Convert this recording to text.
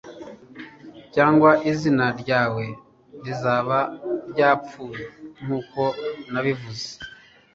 Cyangwa izina ryawe rizaba ryapfuye nkuko nabivuze